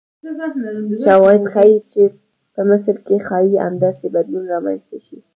شواهد ښیي چې په مصر کې ښایي همداسې بدلون رامنځته شي.